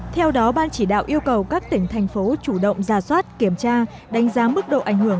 theo đó ban chỉ đạo yêu cầu các tỉnh thành phố chủ động ra soát kiểm tra đánh giá mức độ ảnh hưởng